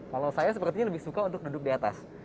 kalau saya sepertinya lebih suka untuk duduk di atas